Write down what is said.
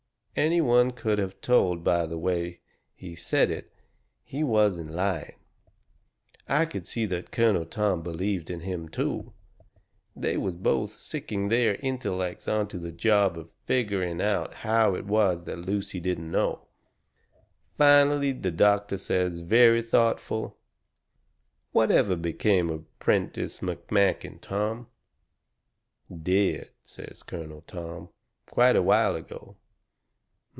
Any one could of told by the way he said it that he wasn't lying. I could see that Colonel Tom believed in him, too. They was both sicking their intellects onto the job of figgering out how it was Lucy didn't know. Finally the doctor says very thoughtful: "Whatever became of Prentiss McMakin, Tom?" "Dead," says Colonel Tom, "quite a while ago."